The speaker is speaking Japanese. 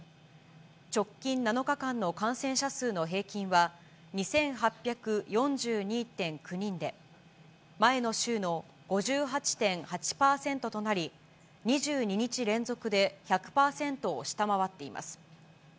直近７日間の感染者数の平均は、２８４２．９人で、前の週の５８．８％となり、２２日連続で１００％を下回っています。